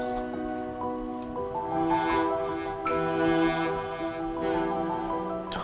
takutnya enggak ya allah